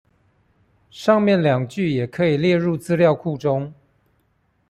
上面兩句也可以列入資料庫中